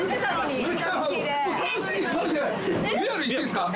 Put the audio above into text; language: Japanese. リアルに言っていいですか？